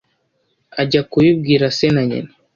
ajya kubibwira se na nyina